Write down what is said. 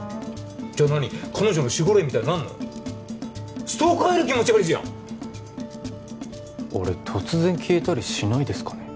じゃあ何彼女の守護霊みたいになんの？ストーカーより気持ち悪いじゃん俺突然消えたりしないですかね？